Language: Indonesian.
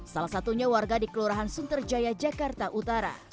salah satunya warga di kelurahan sunterjaya jakarta utara